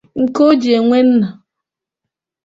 nke o ji enwe nna